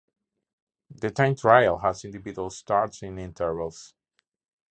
The time trial has individual starts in intervals.